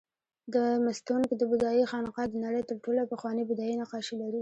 د مستونګ د بودایي خانقاه د نړۍ تر ټولو پخواني بودایي نقاشي لري